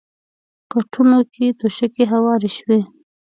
کټونو کې توشکې هوارې شوې.